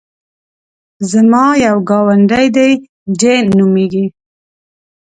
زما یو ګاونډی دی جین نومېږي.